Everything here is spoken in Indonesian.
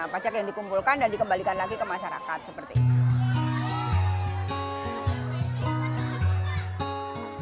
pajak yang dikumpulkan dan dikembalikan lagi ke masyarakat seperti itu